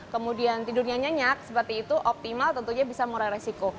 kemudian tidurnya nyenyak seperti itu optimal tentunya bisa murah resiko